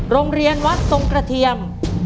โรงเรียนวัดทรงกระเทียม